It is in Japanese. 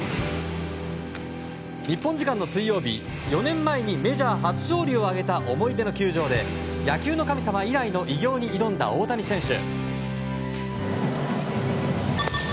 日本時間の水曜日４年前にメジャー初勝利を挙げた思い出の球場で野球の神様以来の偉業に挑んだ大谷選手。